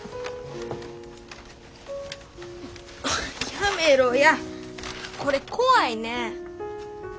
やめろやこれ怖いねん。